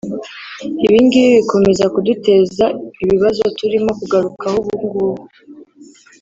Ibi ngibi bikomeza kuduteza ibibazo turimo kugarukaho ubungubu